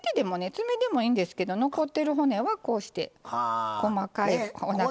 爪でもいいんですけど残ってる骨はこうして細かいおなかの骨。